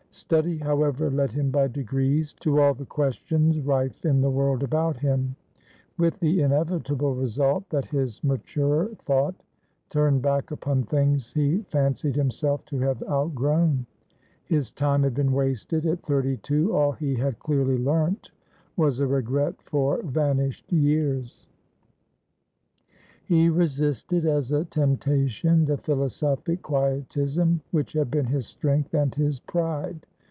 Study, however, led him by degrees to all the questions rife in the world about him; with the inevitable result that his maturer thought turned back upon things he fancied himself to have outgrown. His time had been wasted. At thirty two all he had clearly learnt was a regret for vanished years. He resisted as a temptation the philosophic quietism which had been his strength and his pride.